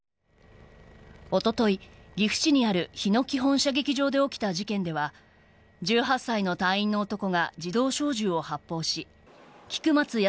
おととい、岐阜市にある日野基本射撃場で起きた事件では１８歳の隊員の男が自動小銃を発砲し菊松安